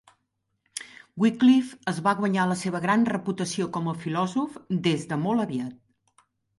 Wycliffe es va guanyar la seva gran reputació com a filòsof des de molt aviat.